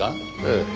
ええ。